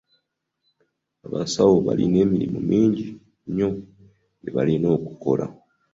Abasawo balina emirimu mingi nnyo gye balina okukola.